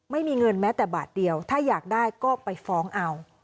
ไม่มีเงินแม้แต่บาทเดียวถ้าอยากได้ก็ไปฟ้องเอา